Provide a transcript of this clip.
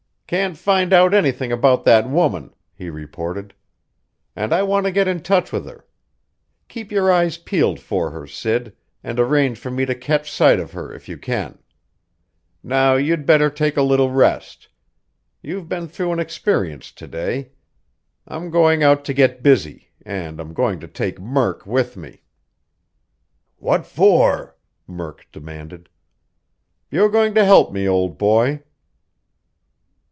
"Can't find out anything about that woman," he reported. "And I want to get in touch with her. Keep your eyes peeled for her, Sid, and arrange for me to catch sight of her, if you can. Now you'd better take a little rest. You've been through an experience to day. I'm going out to get busy, and I'm going to take Murk with me." "What for?" Murk demanded. "You're going to help me, old boy."